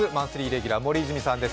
レギュラー森泉さんです。